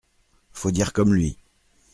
Faut dire comme lui.